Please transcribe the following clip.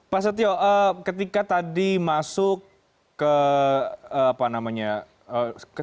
pak setio ketika tadi masuk ke